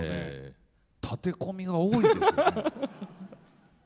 たて込みが多いですね。